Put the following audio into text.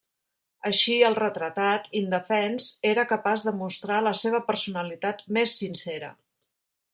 Així el retratat, indefens, era capaç de mostrar la seva personalitat més sincera.